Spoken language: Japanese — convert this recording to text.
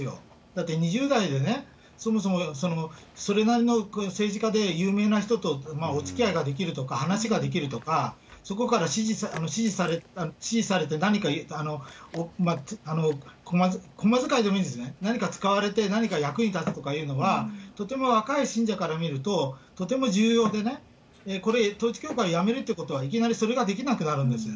だって２０代でね、そもそもそれなりの政治家で有名な人とおつきあいができるとか、話ができるとか、そこから指示されて何か小間使いでもいいんです、何か使われて、何か役に立つというのは、とても若い信者から見ると、とても重要でね、これ、統一教会やめるっていうことは、いきなりそれができなくなるんです。